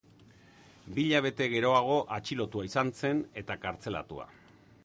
Bi hilabete geroago atxilotua izan zen eta kartzelatua.